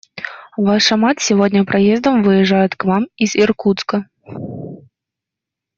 Ваша мать сегодня поездом выезжает к вам из Иркутска.